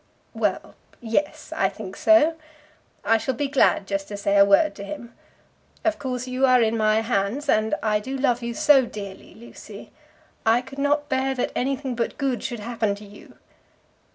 "Well, yes; I think so. I shall be glad just to say a word to him. Of course you are in my hands, and I do love you so dearly, Lucy! I could not bear that anything but good should happen to you."